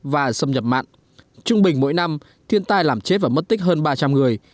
và xâm nhập mặn trung bình mỗi năm thiên tai làm chết và mất tích hơn ba trăm linh người